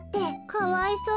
かわいそう。